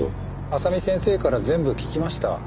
麻美先生から全部聞きました。